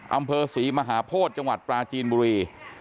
อำเภอศรีมหาโพธิจังหวัดปราจีนบุรี